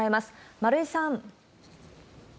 丸井さん。